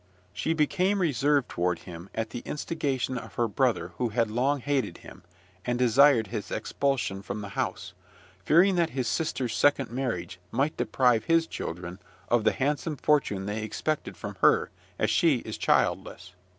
She became reserved toward him, at the instigation of her brother who had long hated him, and desired his expulsion from the house, fearing that his sister's second marriage might deprive his children of the handsome fortune they expected from her; as she is childless.